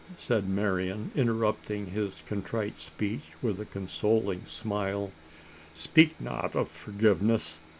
said Marian, interrupting his contrite speech with a consoling smile, "speak not of forgiveness!